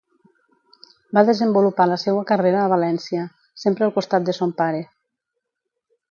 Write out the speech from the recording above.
Va desenvolupar la seua carrera a València, sempre al costat de son pare.